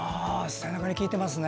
背中に効いていますね。